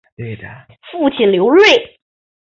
父亲刘锐。